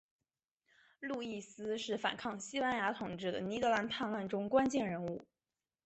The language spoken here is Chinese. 路易斯是反抗西班牙统治的尼德兰叛乱中关键人物。